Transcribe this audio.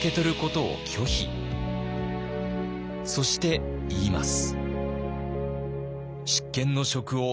そして言います。